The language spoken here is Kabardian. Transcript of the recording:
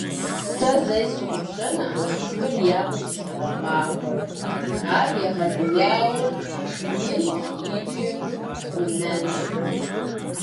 Сэ зэи сщыгъупщэнукъым хыр япэу щыслъэгъуа махуэр: ар егъэлеяуэ инт икӀи гъунэншэт.